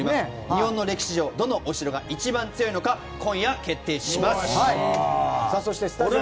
日本の歴史上、どのお城が一番強いのか今夜、決定します。